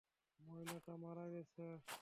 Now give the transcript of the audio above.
মহিলাটা মারা গেছে।